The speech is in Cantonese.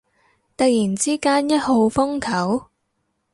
突然之間一號風球？